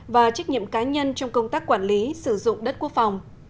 và trách nhiệm cá nhân trong công tác quản lý sử dụng đất quốc phòng